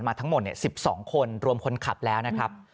ทั้งหมด๑๒คนรวมคนขับแล้วนะครับ